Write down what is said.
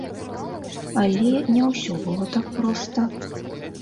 Але не ўсё было так проста.